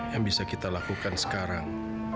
yang bisa kita lakukan sekarang